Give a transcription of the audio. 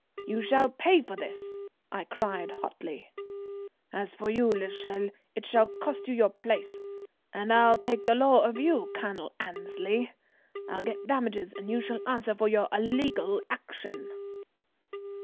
"You shall pay for this," I cried hotly. "As for you, l'Echelle, it shall cost you your place, and I'll take the law of you, Colonel Annesley; I'll get damages and you shall answer for your illegal action."